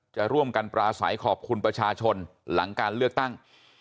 จะร่วมกันปราศัยขอบคุณประชาชนหลังการเลือกตั้ง